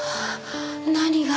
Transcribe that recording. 何が。